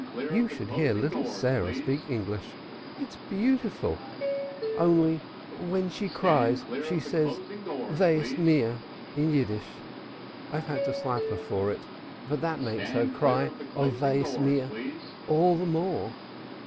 You should hear little Sarah speak English. It's beautiful. Only when she cries she says 'Woe is me' in Yiddish. I have had to slap her for it but that makes her cry 'Woe is me' all the more.